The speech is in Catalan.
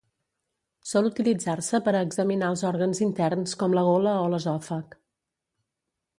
Sol utilitzar-se per a examinar els òrgans interns com la gola o l'esòfag.